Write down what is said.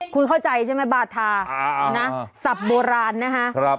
คุณเข้าใจใช่ไหมบาทาสับโบราณนะฮะ